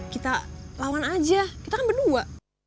kita lawan aja kita kan berdua